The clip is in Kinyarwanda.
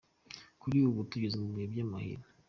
"Kuri ubu tugeze mu bihe by'amahina.